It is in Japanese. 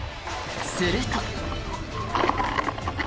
すると。